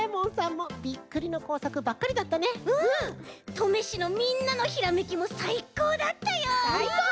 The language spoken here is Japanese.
登米市のみんなのひらめきもさいこうだったよ！